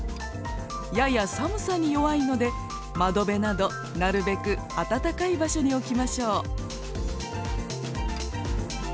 やや寒さに弱いので窓辺などなるべく暖かい場所に置きましょう。